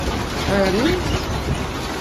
Tḥaremt?